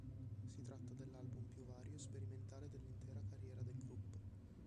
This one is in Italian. Si tratta dell'album più vario e sperimentale dell'intera carriera del gruppo..